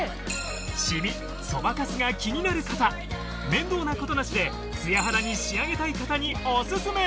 シミそばかすが気になる方面倒なことなしでツヤ肌に仕上げたい方にオススメ！